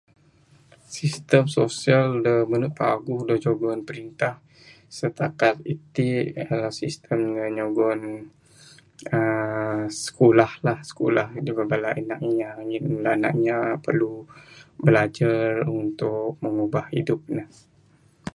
Sistem sosial da mene paguh dog jugon perintah setakat iti uhh sistem da nyugon uhh sikulah la sikulah... Nyugon bala anak inya ngin bala anak inya perlu bilajar untuk mengubah idup ne.